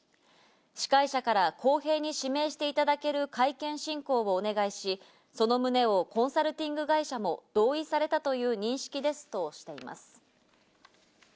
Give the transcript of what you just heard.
司会者から公平に指名していただける、会見進行をお願いし、その旨をコンサルティング会社も同意されたという認識ですとしています。